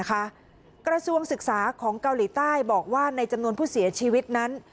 กระทรวงศึกษาของเกาหลีใต้บอกว่าในจำนวนผู้เสียชีวิตนั้น